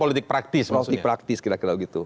politiknya politik praktis maksudnya